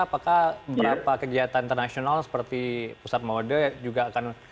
apakah beberapa kegiatan internasional seperti pusat mode juga akan